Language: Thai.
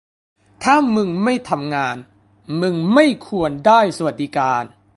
ถ้ามึงไม่ทำงานมึงไม่ควรได้สวัสดิการ